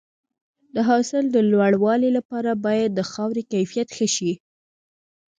د حاصل د لوړوالي لپاره باید د خاورې کیفیت ښه شي.